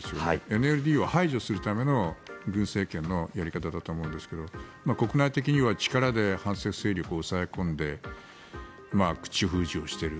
ＮＬＤを排除するための軍政権のやり方だと思うんですが国内的には力で反政府勢力を抑え込んで口封じをしている。